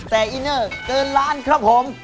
แต่อินเนอร์เกินล้านครับผม